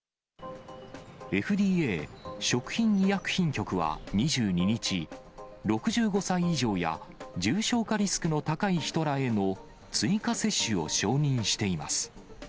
ＦＤＡ・食品医薬品局は２２日、６５歳以上や重症化リスクの高い人らへの追加接種を承認しています。